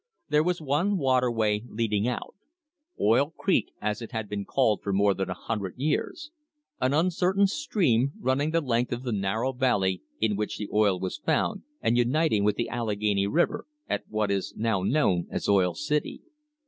There was one waterway leading out — Oil Creek, as it had been called for more than a hundred years, — an uncertain stream running the length of the narrow valley in which the oil was found, and uniting with the Allegheny River at what is now known as Oil City.